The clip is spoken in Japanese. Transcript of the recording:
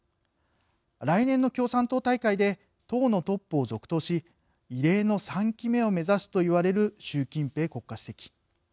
来年の共産党大会で党のトップを続投し異例の３期目を目指すと言われる習近平国家主席。